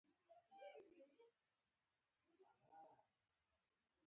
چې خوله خلاصه شي؛ يوه غرمه کور ته درځم.